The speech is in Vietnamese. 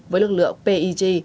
với lực lượng pag